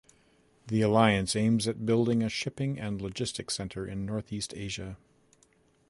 The alliance aims at building a shipping and logistics center in Northeast Asia.